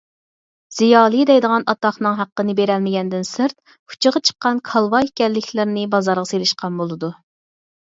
زىيالىي دەيدىغان ئاتاقنىڭ ھەققىنى بېرەلمىگەندىن سىرت ئۇچىغا چىققان كالۋا ئىكەنلىكلىرىنى بازارغا سېلىشقان بولىدۇ.